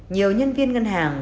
nhiều nhân viên ngân hàng